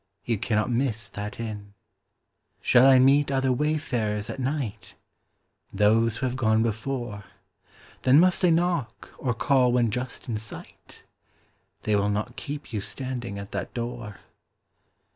You cannot miss that inn. Shall I meet other wayfarers at night? Those who have gone before. Then must I knock, or call when just in sight? They will not keep you standing at that door.